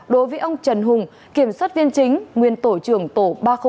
đối với ông trần hùng kiểm soát viên chính nguyên tổ trưởng tổ ba trăm linh ba